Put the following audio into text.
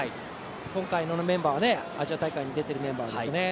今回のメンバー、アジア大会に出ているメンバーですよね。